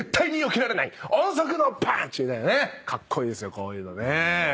こういうのね。